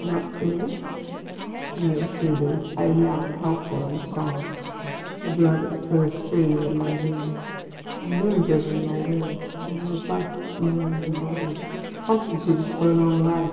Not ill? No truly, I am young, healthful, and strong; the blood flows freely in my veins ; my limbs obey my will ; I am robust in mind and body, constituted for a long life.